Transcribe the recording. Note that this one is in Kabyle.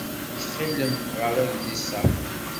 Ttxil-m ɣeṛ adlis-a.